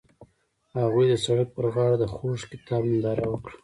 هغوی د سړک پر غاړه د خوږ کتاب ننداره وکړه.